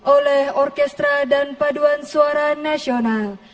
oleh orkestra dan paduan suara nasional